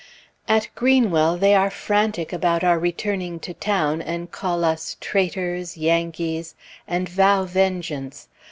At Greenwell they are frantic about our returning to town, and call us traitors, Yankees, and vow vengeance....